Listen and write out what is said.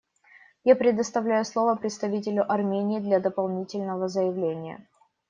Я предоставляю слово представителю Армении для дополнительного заявления.